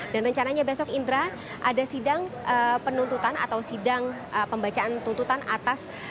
dan rencananya besok indra ada sidang penuntutan atau sidang pembacaan tuntutan atas